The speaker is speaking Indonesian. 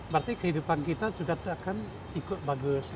berarti kehidupan kita juga akan ikut bagus